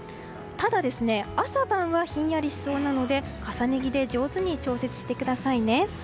ただ朝晩はひんやりしそうなので重ね着で上手に調節してくださいね。